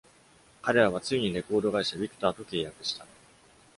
彼らはついにレコード会社ビクターと契約した。